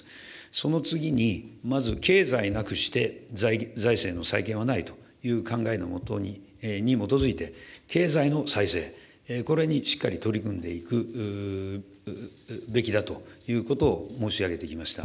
その次に、まず経済なくして財政の再建はないという考えに基づいて、経済の再生、これにしっかり取り組んでいくべきだということを申し上げてきました。